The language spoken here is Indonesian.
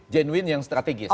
jenuin yang strategis